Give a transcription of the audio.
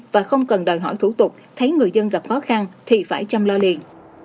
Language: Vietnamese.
và không cần đòi hỏi thủ tục thấy người dân gặp khó khăn thì phải chăm lo liền